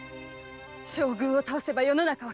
将軍を倒せば世の中は変わる。